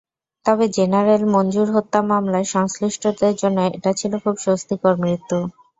তবে জেনারেল মঞ্জুর হত্যা মামলার সংশ্লিষ্টদের জন্য এটা ছিল খুব স্বস্তিকর মৃত্যু।